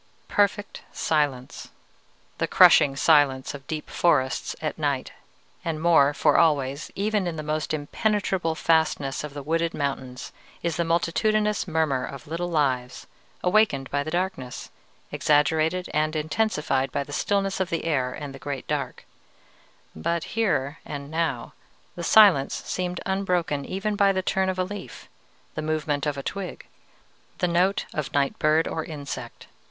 "Perfect silence, the crushing silence of deep forests at night; and more, for always, even in the most impenetrable fastnesses of the wooded mountains, is the multitudinous murmur of little lives, awakened by the darkness, exaggerated and intensified by the stillness of the air and the great dark: but here and now the silence seemed unbroken even by the turn of a leaf, the movement of a twig, the note of night bird or insect.